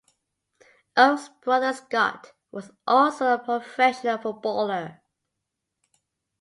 Oakes' brother Scott was also a professional footballer.